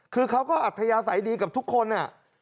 คือเขาก็อัธยาศัยดีกับทุกคน